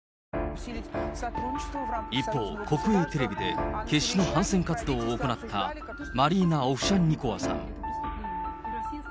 一方、国営テレビで決死の反戦活動を行ったマリーナ・オフシャンニコワさん。